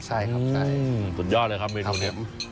ใช่ครับใช่อืมสุดยอดเลยครับเมนูนี้ครับผม